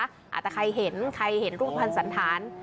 อาจจะใครเห็นใครเห็นรูปภัณฑ์สันธาร